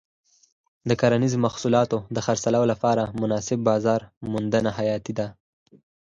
د کرنیزو محصولاتو د خرڅلاو لپاره مناسب بازار موندنه حیاتي ده.